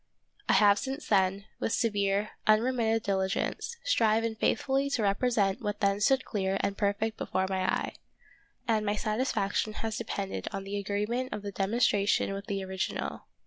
I have since then, with severe, unremitted diligence, striven faith fully to represent what then stood clear and perfect before my eye, and my satisfaction has depended on the agreement of the demonstration with the original.